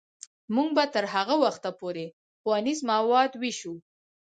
موږ به تر هغه وخته پورې ښوونیز مواد ویشو.